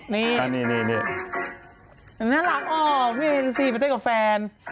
น่ารักอ่อเรียนฟัน